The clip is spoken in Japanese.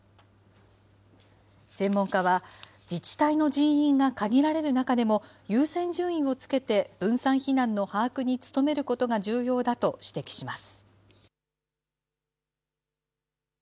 専門家は、自治体の人員が限られる中でも、優先順位をつけて、分散避難の把握に努めることが重要だと指摘します。